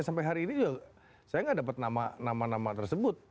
sampai hari ini juga saya nggak dapat nama nama tersebut